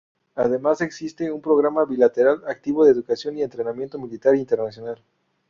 Además, existe un programa bilateral activo de Educación y Entrenamiento Militar Internacional.